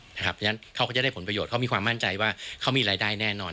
เพราะฉะนั้นเขาก็จะได้ผลประโยชนเขามีความมั่นใจว่าเขามีรายได้แน่นอน